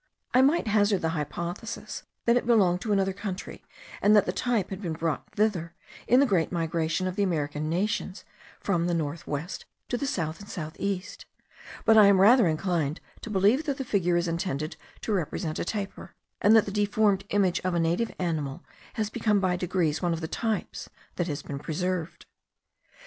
I might hazard the hypothesis that it belongs to another country, and that the type had been brought thither in the great migration of the American nations from the north west to the south and south east; but I am rather inclined to believe that the figure is intended to represent a tapir, and that the deformed image of a native animal has become by degrees one of the types that has been preserved.